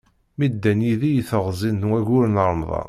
Mi d-ddan yidi i teɣzi n wayyur n Remḍan.